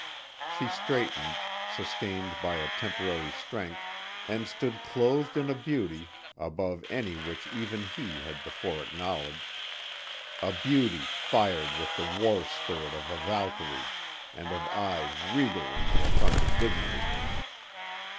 She straightened, sustained by a temporary strength, and stood clothed in a beauty above any which even he had before acknowledged; a beauty fired with the war spirit of a Valkyrie and of eyes regal in their affronted dignity.